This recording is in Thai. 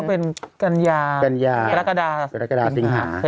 ก็เป็นกัญญาลักกระดาษิงหา